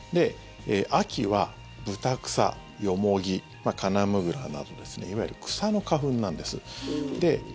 秋はブタクサ、ヨモギカナムグラなどいわゆる草の花粉なんです。